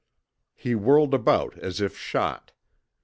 He whirled about as if shot.